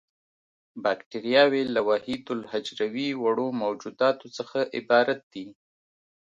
باکټریاوې له وحیدالحجروي وړو موجوداتو څخه عبارت دي.